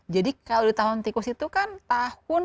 jadi kalau di tahun tikus itu kan tahunya